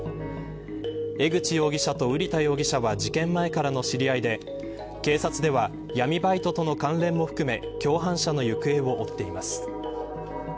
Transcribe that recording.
江口容疑者と瓜田容疑者は事件前からの知り合いで警察では闇バイトとの関連も含め共犯者の行方を追っています。